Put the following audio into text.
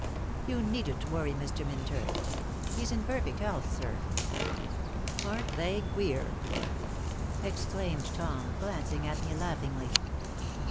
"You needn't worry, Mr. Minturn. He's in perfect health, sir." "Aren't they queer?" exclaimed Tom, glancing at me, laughingly.